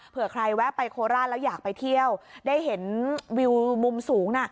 เผื่อใครแวะไปโคราชแล้วอยากไปเที่ยวได้เห็นวิวมุมสูงน่ะ